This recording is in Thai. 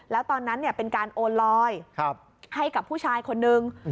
แล้วตอนนั้นเป็นการโอนลอยให้กับผู้ชายคนนึง